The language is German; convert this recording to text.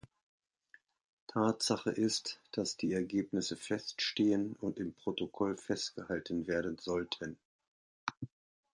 Tatsache ist, dass die Ergebnisse feststehen und im Protokoll festgehalten werden sollten.